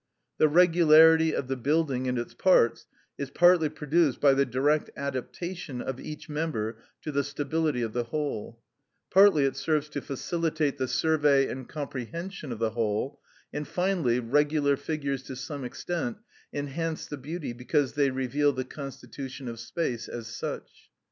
The regularity of the building and its parts is partly produced by the direct adaptation of each member to the stability of the whole, partly it serves to facilitate the survey and comprehension of the whole, and finally, regular figures to some extent enhance the beauty because they reveal the constitution of space as such.